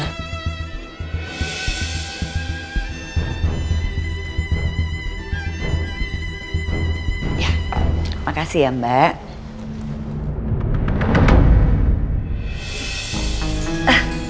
tapi tolong jangan bawa saya sama keluarga saya